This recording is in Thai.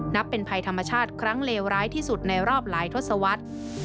นับเป็นภัยธรรมชาติครั้งเลวร้ายที่สุดในรอบหลายทศวรรษ